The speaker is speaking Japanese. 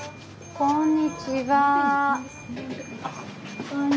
・こんにちは。